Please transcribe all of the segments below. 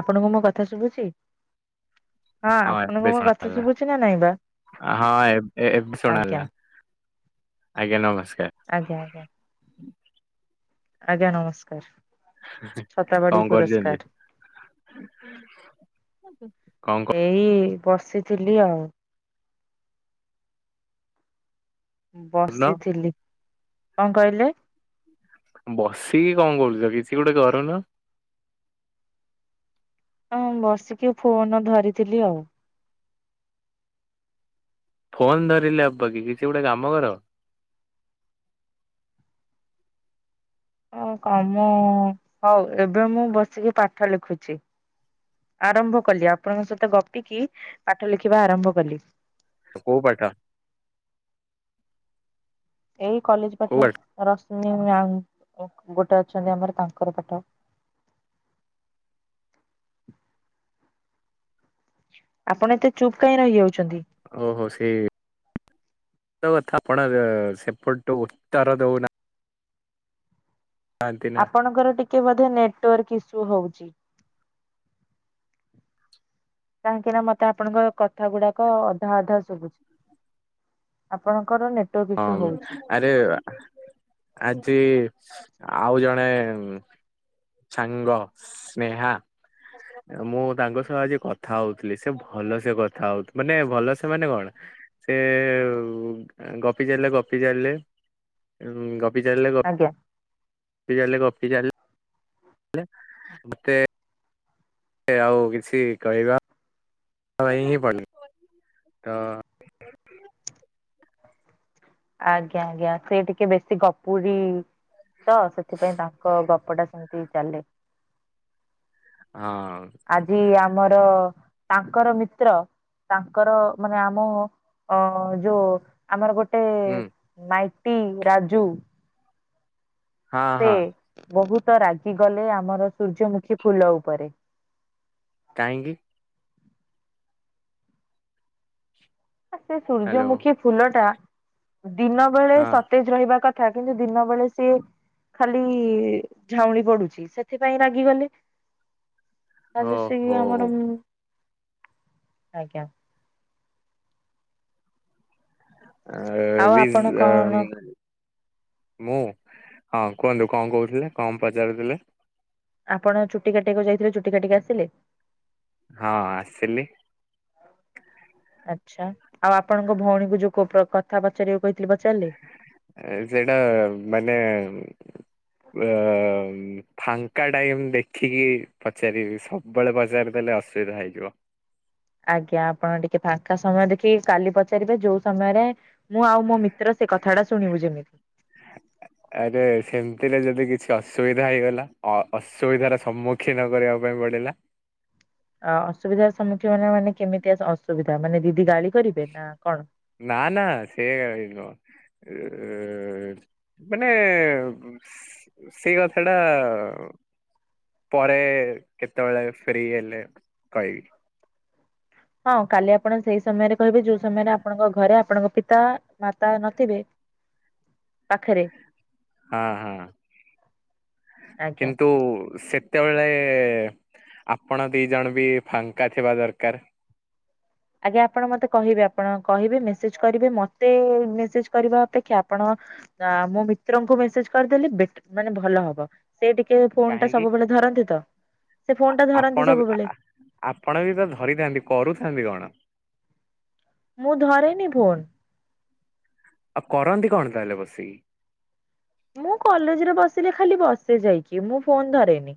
ଆପଣଙ୍କୁ ମୋ କଥା ଶୁଭୁଚି? ହଁ ଏବେ ଶୁଣାଗଲା ଶୁଭୁଛି ନା ନାଇଁ ବା? ହଁ ଏବେ ଏବେ ଆଜ୍ଞା ଶୁଣାହେଲା। ଆଜ୍ଞା ନମସ୍କାର। ଆଜ୍ଞା ଆଜ୍ଞା। ଆଜ୍ଞା ନମସ୍କାର। ଛତାବାଡି କଣ କରୁଛନ୍ତି ପୁରସ୍କାର କଣ କର ଏଇ ବସିଥିଲି ଆଉ। କରୁନ ବସିଥିଲି। କଣ କହିଲେ? ବସିକି କଣ କରୁଛ କିଛି ଗୋଟେ କରୁନ? ହଁ ବସିକି ଫୋନ ଧରିଥିଲି ଆଉ। ଫୋନ୍ ଧରିଲେ ହବକି କିଛି ଗୋଟେ କାମ କର। ହଉ କାମ ହଉ ଏବେ ମୁଁ ବସିକି ପାଠ ଲେଖୁଛି। ଆରମ୍ଭ କଲି ଆପଣଙ୍କ ସହିତ ଗପିକି ପାଠ ଲେଖିବା ଆରମ୍ଭ କଲି। କୋଉ ପାଠ? ଏଇ କଲେଜ ପାଠ ରଶ୍ମି ମ୍ୟାାମ ଗୋଟେ ଅଛନ୍ତି ଆମର ତାଙ୍କର ପାଠ। ଆପଣ ଏତେ ଚୁପ୍ କାହିଁ ରହିଯାଉଛନ୍ତି। ଓହୋ ସେଇ କଥା ଆପଣ ସେପଟୁ ଉତ୍ତର ଦଉନା। ନା ଆପଣଙ୍କର ଟିକେ ବୋଧେ ନେଟୱାର୍କ ଇସ୍ୟୁ ହଉଛି। କାହିଁକି ନା ମତେ ଆପଣଙ୍କ କଥା ଗୁଡାକ ଅଧା ଅଧା ଶୁଭୁଛି। ଆପଣଙ୍କର ନେ ହଁ ଆରେ ଆଜି ଆଉ ଜଣେ ସାଙ୍ଗ ସ୍ନେହା ମୁଁ ତାଙ୍କ ସହ ଆଜି କଥା ହଉଥିଲି ସେ ଭଲ ସେ କଥା ହଉ ମାନେ ଭଲ ସେ ମାନେ କଣ ସେ ଗପି ଚାଲିଲେ ଗପି ଚାଲିଲେ ଉଁ ଗ ଗପି ଚାଲିଲେ ଆଜ୍ଞା ଗପି ଚାଲିଲେ ଗପି ଚାଲିଲେ ମତେ ସେ ଆଉ କିଛି କହିବା [unintelligible] ତ ଆଜ୍ଞା ଆଜ୍ଞା ସେ ଟିକେ ବେଶୀ ଗପୁୁରୀ ତ ସେଥିପାଇଁ ତାଙ୍କ ଗପ ଟା ସେମିତି ଚାଲେ। ହଁ। ଆଜି ଆମର ତାଙ୍କର ମିତ୍ର ତାଙ୍କର ମାନେ ଆମ ଅ ଯୋଉ ଆମର ଗୋଟେ ହୁଁ ମାଇଟି ରାଜୁ ହଁ ସେ ହଁ। ବହୁତ ରାଗିଗଲେ ଆମର ସୂର୍ଯ୍ୟମୁଖୀ ଫୁଲ ଉପରେ। କାହିଁକି? ସେ ହ୍ୟାଲୋ ସୂର୍ଯ୍ୟମୁଖୀ ଫୁଲ ଟା ଦିନ ବେଳେ ହଁ ସତେଜ ରହିବା କଥା କିନ୍ତୁ ଦିନ ବେଳେ ସିଏ ଖାଲି ଝାଉଁଳି ପଡୁଛି ସେଥିପାଇଁ ରାଗିଗଲେ। ଓ ଖାଲି ସେ ହୋ ଆମର ଆଜ୍ଞା ଆ ଆଉ ରିଜ୍ ଆପଣ ଆ କଣ ମୁଁ ହଁ କୁହନ୍ତୁ କଣ କହୁଥିଲେ କଣ ପଚାରୁଥିଲେ? ଆପଣ ଚୁଟି କାଟିବାକୁ ଯାଇଥିଲେ ଚୁଟି କାଟିକି ଆସିଲେ? ହଁ ଆସିଲି। ଆଚ୍ଛା ଆଉ ଆପଣଙ୍କ ଭଉଣୀ କକୁ ଯୋଉ କଥା ପଚାରିଆକୁ କହିଥିଲି ପଚାରିଲେ? ଏ ସେଇଟା ମାନେ ଅ ଫାଙ୍କା ଟାଇମ ଦେଖିକି ପଚାରିବି ସବୁବେଳେ ପଚାରିଦେଲେ ଅସୁବିଧା ହେଇଯିବ। ଆଜ୍ଞା ଆପଣ ଟିକେ ଫାଙ୍କା ସମୟ ଦେଖିକି କାଲି ପଚାରିବେ ଯୋଉ ସମୟରେ ମୁଁ ଆଉ ମୋ ମିତ୍ର ସେ କଥାଟା ଶୁଣିବୁ ଯେମିତି। ଆରେ ସେମିତିରେ ଯଦି କିଛି ଅସୁବିଧା ହେଇଗଲା ଅ-ଅସୁବିଧାର ସମ୍ମୁଖୀନ କରିବା ପାଇଁ ପଡିଲା। ଆ ଅସୁବିଧାର ସମ୍ମୁଖୀନ ମାନେ କେମିତି ଅସୁବିଧା ମାନେ ଦିଦି ଗାଳି କରିବେ ନା କଣ? ନା ନା ସେ ଗାଳି ନୁହଁ। ଏ ମାନେ ସେଇ କଥା ଟା ପରେ କେତେବେଳେ ଫ୍ରି ହେଲେ କହିବି। ହଁ କାଲି ଆପଣ ସେଇ ସମୟରେ କହିବେ ଯୋଉ ସମୟରେ ଆପଣଙ୍କ ଘରେ ଆପଣଙ୍କ ପିତା, ମାତା ନଥିବେ। ପାଖରେ ହଁ, ହଁ ଆଜ୍ଞା। କିନ୍ତୁ ସେ ସେତେବେଳେ ଯାଏ ଆପଣ ଦି ଜଣ ବି ଫାଙ୍କା ଥିବା ଦରକାର? ଆଜ୍ଞା ଆପଣ ମତେ କହିବେ ଆପଣ କହିବେ ମେସେଜ କରିବେ ମତେ ମେସେଜ କରିବା ଅପେକ୍ଷା ଆପଣ ତ ଆମ ମିତ୍ରଙ୍କୁ ମେସେଜ କରିଦେଲି ବେ ମାନେ ଭଲ ହବ। ସେ ଟିକେ ଫୋନ ଟା କାହିଁକି ସବୁବେଳେ ଧରନ୍ତି ତ ସେ ଫୋନ ଟା ଆପଣ ଧରନ୍ତି ବି ଆ- ସବୁବେଳେ। ଆ- ଆପଣ ବି ତ ଧରିଥାନ୍ତି କରୁଥାନ୍ତି କଣ? ମୁଁ ଧରେନି ଫୋନ ଆଉ କରନ୍ତି କଣ ତାହେଲେ ବସିକି? ମୁଁ କଲେଜରେ ବସିଲେ ଖାଲି ବସେ ଯାଇଛିି ମୁଁ ଫୋନ ଧରେନି।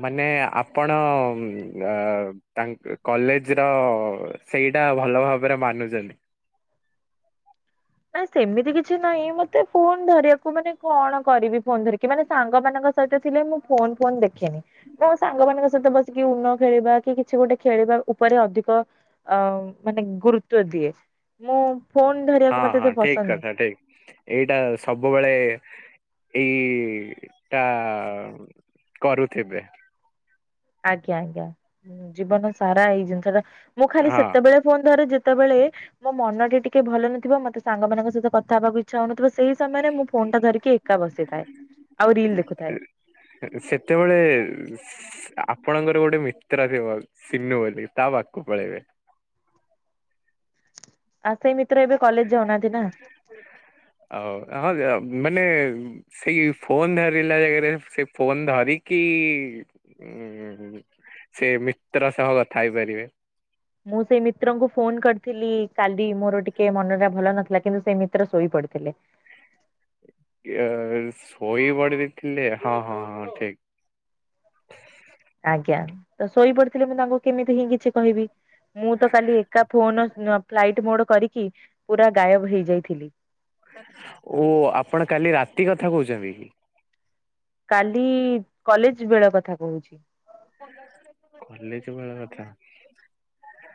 ମାନେ ଆପଣ ଉଁ ତାଙ୍କ କଲେଜ ର ସେଇଟା ଭଲ ଭାବରେ ମାନୁଛନ୍ତି? ନା ସେମିତି କିଛି ନାହିଁ ମତେ ଫୋନ ଧରିବାକୁ ମାନେ କଣ କରିବି ଫୋନ ଧରିକି ମାନେ ସାଙ୍ଗ ମାନଙ୍କ ସହ ସହିତ ଥିଲେ ମୁଁ ଫୋନ ଫୋନ୍ ଦେଖିନି। ତ ସାଙ୍ଗମାନଙ୍କ ସହିତ ବସିକି ଉନ ଖେଳିବା କି କିଛି ଗୋଟେ ଖେଳିବା ଉପରେ ଅଧିକ ଅ ମାନେ ଗୁରୁତ୍ୱ ଦିଏ, ମୁଁ ଫୋନ୍ ଧରିବାକୁ ହଁ ମତ୍ ହଁ ଠିକ୍ କଥା ଠିକ୍ ଏଇଟା ସବୁବେଳେ ଏଇ-ଇ-ଇ ଟା କରୁଥିବେ ଆଜ୍ଞା ଆଜ୍ଞା, ଜୀବନ ସାରା ଏଇ ଜିନିଷଟା, ମୁଁ ଖାଲି ହଁ ସେତେବେଳେ ଫୋନ୍ ଧରେ ଯେତେବେଳେ ମୋ ମନଟା ଟିକେ ଭଲ ନଥିବ ମତେ ସାଙ୍ଗମାନଙ୍କ ସହିତ କଥା ହବାକୁ ଇ ଇଛା ହଉନଥିବ ସେଇ ସମୟରେ ମୁଁ ଫୋନଟା ଧରିକି ଏକା ବସିଥାଏ ଆଉ ରିଲ୍ ଦେଖୁଥାଏ। ସେତେବେଳେ ଆପଣଙ୍କର ଗୋଟେ ମିତ୍ର ଥିବ ସିନୁ ବୋଲି ତା ପାଖକୁ ପଳେଇବେ। ଆଉ ସେଇ ମିତ୍ର ଏବେ କଲେଜ ଯାଉନାହାନ୍ତି ନା। ଆଉ ହଁ ଯା ମାନେ ସେଇ ଫୋନ ଧରିଲା ଜାଗାରେ ସେ ଫୋନ ଧରିକି ଉଁ-ଉଁ ସେ ମିତ୍ର ସହ କଥା ହେଇପାରିବେ। ମୁଁ ସେଇ ମିତ୍ରଙ୍କୁ ଫୋନ୍ କରିଥିଲି କାଲି ମୋର ଟିକେ ମନଟା ଭଲ ନଥିଲା କିନ୍ତୁ ସେଇ ମିତ୍ର ଶୋଇ ପଡିଥିଲେ। ଇଏ ଶୋଇପଡ଼ି ବି ଥିଲେ ହଁ-ହଁ-ହଁ ଠିକ୍। ଆଜ୍ଞା, ତ ଶୋଇପଡିଥିଲେ ମୁଁ ତାଙ୍କୁ କେମିତି ହିଁ କିଛି କହିବି। ମୁଁ ତ କାଲି ଏକା ଫୋନ ଫ୍ଲାଇଟ ମୋଡ୍ କରିକି ପୁରା ଗାୟବ ହେଇଯାଇଥିଲି। ଓ ଆପଣ କାଲି ରାତି କଥା କହୁଛନ୍ତି କି? କାଲି କଲେଜ ବେଳ କଥା କହୁଛି। କଲେଜ ବେଳ କଥା।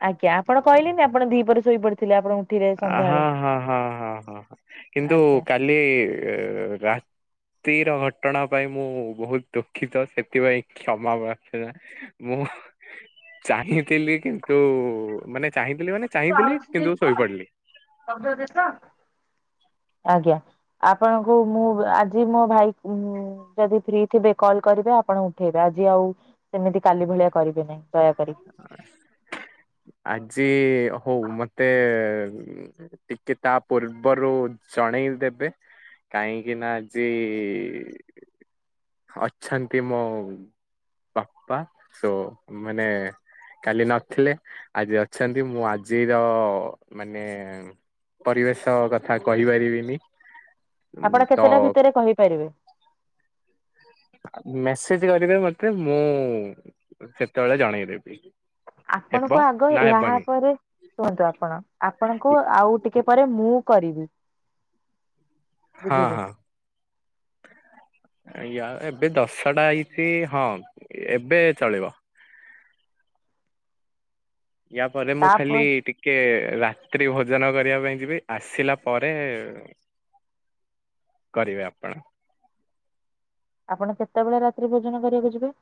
ଆଜ୍ଞା ଆପଣ କହିଲେନି ଆପଣ ଦିପହରେ ଶୋଇପଡିଥିଲେ ଆପଣ ଉଠିଲେ ସନ୍ଧ୍ୟାବେଳେ ହଁ-ହଁ-ହଁ-ହଁ-ହଁ, କିନ୍ତୁ କାଲି ରା ତିର ଘଟଣା ପାଇଁ ମୁଁ ବହୁତ ଦୁଃଖିତ, ସେଥିପାଇଁ କ୍ଷମାପ୍ରାର୍ଥନା ମୁଁ ଚାହିଁଥିଲି କିନ୍ତୁ ମାନେ ଚାହିଁଥିଲି ମାନେ ଚାହିଁଥିଲି କିନ୍ତୁ ଶୋଇ ପଡିଲି। ଆଜ୍ଞା। ଆପଣଙ୍କୁ ମୁଁ ଆଜି ମୋ ଭାଇ ଉଁ-ଉଁ ଯଦି ଫ୍ରି ଥିବେ କଲ୍ କରିବେ ଆପଣ ଉଠେଇବେ ଆଜି ଆଉ ସେମିତି କାଲି ଭଳିଆ କରିବେ ନାହିଁ ଦୟାକରି। ଆଜି ହଉ ମତେ ଟିକେ ତା ପୂର୍ବରୁ ଜଣେଇ ଦେବେ। କାହିଁକିନା ଆଜି ଅଛନ୍ତି ମୋ ବାପା ସୋ ମାନେ କାଲି ନଥିଲେ ଆଜି ଅଛନ୍ତି, ମୁଁ ଆଜିର ମାନେ ପରିବେଶ କଥା କହିପାରିବିନି। ଆପଣ ତ କେତେଟା ଭିତରେ କହିପାରିବେ? ମେସେଜ କରିବେ ମତେ ମୁଁ ସେତେବେଳେ ଜଣେଇଦେବି। ହେବ ଆପଣଙ୍କୁ ଆଗ ନା ଏହା ହେବନି ପରେ କୁହନ୍ତୁ ଆପଣ, ଆପଣଙ୍କୁ ଆଉ ଟିକେ ପରେ ମୁଁ କରିବି। ହଁ ବୁଝିଲେ ହଁ। ୟା ଏବେ ଦଶଟା ହେଇଛି ହଁ ଏବେ ଚଳିବ। ୟା ପରେ ମୁଁ ଖାଲି ତାପରେ ଟିକ୍ ଟିକେ ରାତ୍ରି ଭୋଜନ କରିବା ପାଇଁ ଯିବି ଆସିଲା ପରେ କରିବେ ଆପଣ‌ ଆପଣ କେତେବେଳେ ରାତ୍ରି ଭୋଜନ କରିବାକୁ ଯିବେ?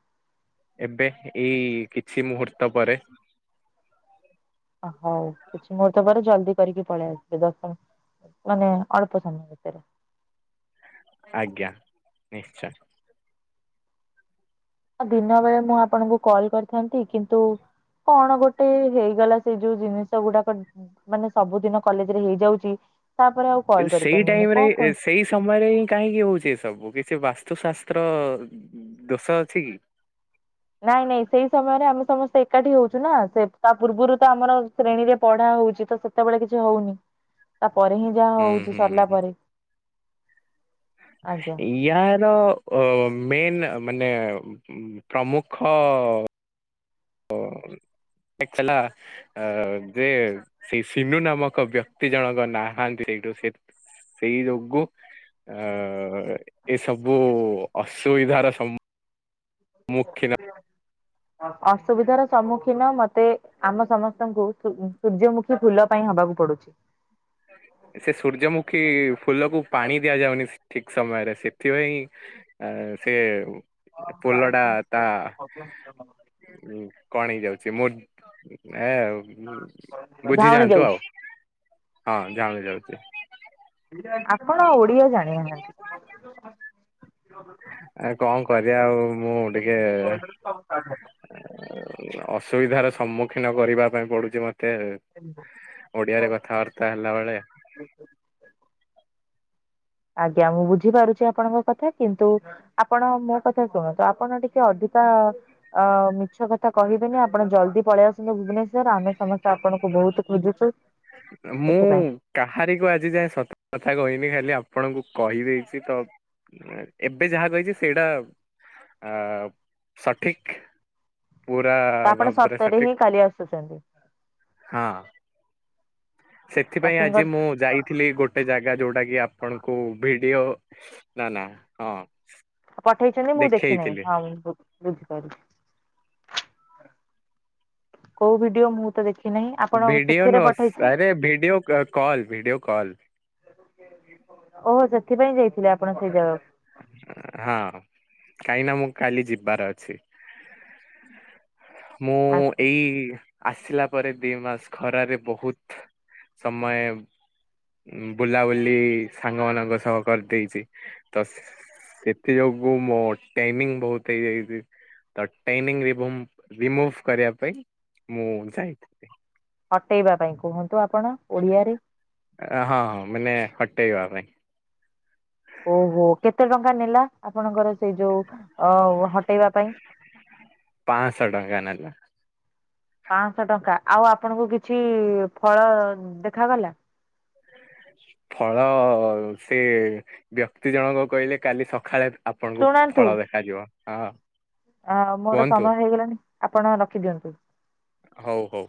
ଏବେ, ଏଇ କିଛି ମୁହୂର୍ତ୍ତ ପରେ। ହଉ କିଛି ମୁହୂର୍ତ୍ତ ପରେ ଜଲଦି କରିକି ପଳେଇ ଆସିବେ ଆପଣ। ମାନେ ଅଳ୍ପ ସମୟ ଭିତରେ। ଆଜ୍ଞା, ନିଶ୍ଚୟ। ଆଉ ଦିନବେଳେ ମୁଁ ଆପଣଙ୍କୁ କଳି କରିଥାନ୍ତି କିନ୍ତୁ କଣ ଗୋଟେ ହେଇଗଲା ସେ ଯୋଉ ଜିନିଷ ଗୁଡ଼ାକ ମାନେ ସବୁଦିନ କଲେଜ ରେ ହେଇଯାଉଛି ତାପରେ ଆଉ ଦି କଲ୍ ସେଇ କରିପାରୁନି ମୁଁ ଟାଇମ୍ ରେ କଣ କର ଏସ୍ ସେଇ ସମୟରେ ଇଁ କାହିଁକି ହଉଛି ଏ ସବୁ କିଛି ବାସ୍ତୁଶାସ୍ତ୍ର ଦୋଷ ଅଛି କି? ନାଇଁ ନାଇଁ ସେଇ ସମୟରେ ଆମେ ସମସ୍ତେ ଏକାଠି ହଉଛୁ ନା ସେ ତା ପୂର୍ବରୁ ତ ଆମର ଶ୍ରେଣୀରେ ପଢ଼ା ହଉଛି ତ ସେ ସେତେବେଳେ କିଛି ହଉନି ତାପରେ ହିଁ ଯାହା ହୁଁ ହଉଛି ହୁଁ ସରିଲା ପରେ। ଆଜ୍ଞା। ଏଇ ୟାର ଅ ମେନ୍ ମାନେ ପ୍ରମୁଖ ଅ ଟେକ୍ସେଲା ଅ ଯେ ସେଇ ସିନୁ ନାମକ ବ୍ୟକ୍ତି ଜଣଙ୍କ ନାହାନ୍ତି ହେଇଠୁ ସେ ସେଇ ଯୋଗୁ ଅ ଏସବୁ ଅସୁବିଧାର ସମୁ ମୁଖୀନ ଅସୁବିଧାର ସମ୍ମୁଖୀନ ମତେ ଆମ ସମସ୍ତଙ୍କୁ ସୁ ସୂର୍ଯ୍ୟମୁଖୀ ଫୁଲ ପାଇଁ ହବାକୁ ପଡ଼ୁଚି। ସେ ସୂର୍ଯ୍ୟମୁଖୀ ଫୁଲକୁ ପାଣି ଦିଆଯାଉନି ଠିକ୍ ସମୟରେ ସେଥିପାଇଁ ଆ ସେ ପୋଲ ଟା ତା [unintelligible] ଉଁ କଣ ହେଇଯାଉଛି ମୁଁ ଏ ଝାଉଁଳି ବୁଝିଯାଆନ୍ତୁ ଯାଉଛି। ଆଉ। ହଁ ଝାଉଁଳି ଯାଉଚି। ଆପଣ ଓ [unintelligible] ଆ କଣ କରିବା ଆଉ ମୁଁ ଟିକେ ଅସୁବିଧାର ସମ୍ମୁଖୀନ କରିବା ପାଇଁ ପଡ଼ୁଚି ମତେ। [unintelligible] ଓଡ଼ିଆରେ କଥାବାର୍ତ୍ତା ହେଲା ବେଳେ। ଆଜ୍ଞା ମୁଁ ବୁଝିପାରୁଛି ଆପଣଙ୍କ କଥା କିନ୍ତୁ ଆପଣ ମୋ କଥା ଶୁଣନ୍ତୁ ଆପଣ ଟିକେ ଅଧିକା ଅ ମିଛ କଥା କହିବେନି ଆପଣ ଜଲ୍ଦି ପଳେଇ ଆସନ୍ତୁ ଭୁବନେଶ୍ୱର ଆମେ ସମସ୍ ତେ ଆପଣଙ୍କୁ ବୋହୁତୁ ଖୋଜୁଚୁ ମୁଁ ସେଥିପାଇଁ। କାହାରିକୁ ଆଜି ଯାଏଁ ସତ କଥା କହିନି ଖାଲି ଆପଣଙ୍କୁ କହିଦେଇଚି ତ ଏବେ ଯାହା କହିଛି ସେଇଟା ଆ ସଠିକ୍। ପୁରା ଭାବରେ ସଠିକ୍। ଚାଲି ଆସୁଛନ୍ତି। ହଁ। ସେଥିପାଇଁ ପ୍ୟାକିଂ ଆଜି କରି ମୁଁ ଯାଇ ଥିଲି ଗୋଟେ ଜାଗା ଯୋଉଟା କି ଆପଣଙ୍କୁ ଭିଡ଼ିଓ ନା ନା ହଁ ପଠେଇଛନ୍ତି ମୁଁ ଦେଖିନାହିଁ ଦେଖେଇଥିଲି ହଁ ବୁ ବୁଝି ପାରୁ କୋଉ ଭିଡ଼ିଓ ମୁଁ ତ ଦେଖି ନାହିଁ ଆପଣ ଭିଡ଼ିଓ ସେଥିରେ ନୁହଁ ପଠେଇ ସ ଆରେ ଭିଡ଼ିଓ କ କଲ୍ ଭିଡ଼ିଓ କଲ୍। ଓହୋ ସେଥିପାଇଁ ଯାଇଥିଲେ ଆପଣ ସେଇ ଜାଗାକୁ। ହଁ କାହିଁନା ମୁଁ କାଲି ଯିବାର ଅଛି। ମୁଁ ଆଚ୍ଛା ଏଇ ଆସିଲା ପରେ ଦି ମାସ୍ ଖରାରେ ବହୁତ୍ ସମୟେ ଉ ବୁଲାବୁଲି ସାଙ୍ଗ ମାନଙ୍କ ସହ କରିଦେଇଛି ତସ୍ ସେଥି ଯୋଗୁ ମୋ ଟାଇମିଙ୍ଗ୍ ବହୁତ୍ ହେଇଯାଇଛି ତ ଟାଇମିଙ୍ଗ୍ ରିବୋମ୍ ରିମୁଭ୍ କରିବା ପାଇଁ ମୁଁ ଯାଇଥାନ୍ତି। ହଟେଇବା ପାଇଁ କୁହନ୍ତୁ ଆପଣ ଓଡ଼ିଆରେ। ଆ ହଁ ମାନେ ହଟେଇବା ପାଇଁ। ଓହୋ କେତେ ଟଙ୍କା ନେଲା ଆପଣଙ୍କର ସେଇ ଯୋଉ ଅ ହଟେଇବା ପାଇଁ? ପାଁଶହ ଟଙ୍କା ନେଲା। ପାଞ୍ଚଶହ ଟଙ୍କା ଆଉ ଆପଣଙ୍କୁ କିଛି ଫଳ ଦେଖାଗଲା? ଫଳ ସେବ୍ୟକ୍ତି ଜଣକ କହିଲେ କାଲି ସକାଳେ ଆପଣଙ୍କୁ ଶୁଣନ୍ତୁ ଫଳ ଦେଖାଯିବ ହଁ। ଆ ମୋର କୁହନ୍ତୁ ସମୟ ହେଇଗଲାଣି ଆପଣ ରଖିଦିଅନ୍ତୁ। ହଉ ହଉ।